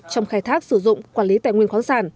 trong khai thác sử dụng quản lý tài nguyên khoáng sản